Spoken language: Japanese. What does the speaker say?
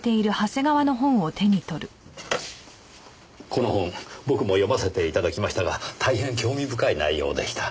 この本僕も読ませて頂きましたが大変興味深い内容でした。